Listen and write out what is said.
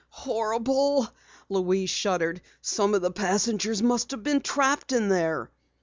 "Horrible!" Louise shuddered. "Some of the passengers may have been trapped in there!"